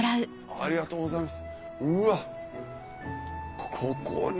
ありがとうございます。